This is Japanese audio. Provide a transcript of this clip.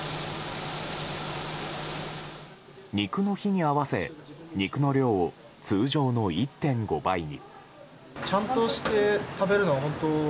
肉の日に合わせ肉の量を通常の１．５倍に。